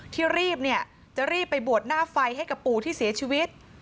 ที่รีบเนี่ยจะรีบไปบวชหน้าไฟให้กับปู่ที่เสียชีวิต